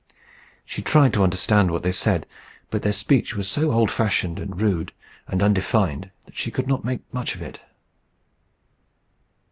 She tried to understand what they said; but their speech was so old fashioned, and rude, and undefined, that she could not make much of it.